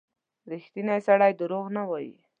• ریښتینی سړی دروغ نه وايي.